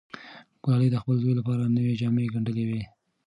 ګلالۍ د خپل زوی لپاره نوې جامې ګنډلې وې.